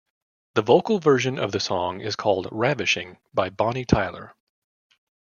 The vocal version of the song is called "Ravishing" by Bonnie Tyler.